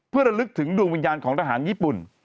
เพื่อระลึกถึงดวงวิญญาณของทหารญี่ปุ่น